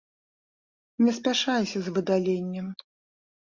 Не спяшайся з выдаленнем.